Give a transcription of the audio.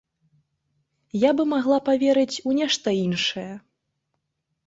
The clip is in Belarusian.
Я бы магла паверыць у нешта іншае.